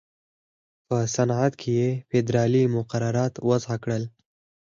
په صنعت کې یې فېدرالي مقررات وضع کړل.